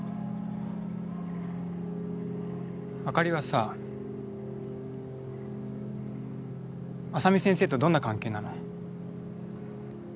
朱莉はさ浅海先生とどんな関係なの？